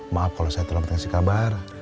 maaf kalau saya terlalu terang kasih kabar